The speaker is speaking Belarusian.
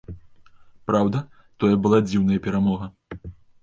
Праўда, тое была дзіўная перамога.